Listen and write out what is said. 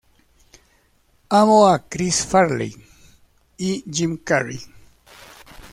Amo a Chris Farley y Jim Carrey.